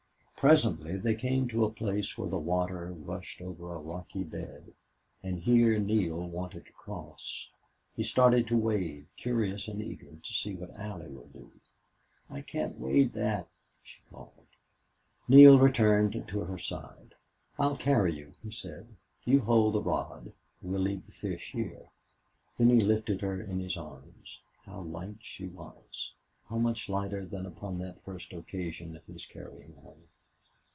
Presently they came to a place where the water rushed over a rocky bed, and here Neale wanted to cross. He started to wade, curious and eager to see what Allie would do. "I can't wade that," she called. Neale returned to her side. "I'll carry you," he said. "You hold the rod. We'll leave the fish here." Then he lifted her in his arms. How light she was how much lighter than upon that first occasion of his carrying her.